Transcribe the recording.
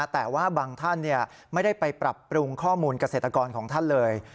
แต่ว่าบางท่านไม่ได้ไปปรับปรุงข้อมูลเกษตรกรของท่านเลย